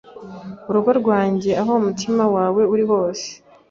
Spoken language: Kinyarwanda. Urugo rwanjye aho umutima wawe uri hose